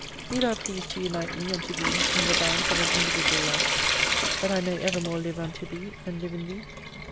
Be Thou pleased to unite me unto Thee in the bands of an Individual Love, that I may ever more live unto Thee, and live in Thee.